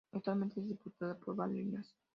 Actualmente es diputada por Barinas.